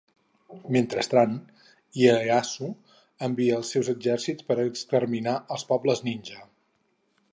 Mentrestant, Ieyasu envia els seus exèrcits per exterminar els pobles ninja.